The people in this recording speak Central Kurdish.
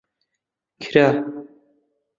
کرا.